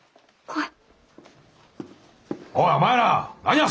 はい！